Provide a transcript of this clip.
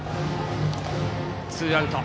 ツーアウト。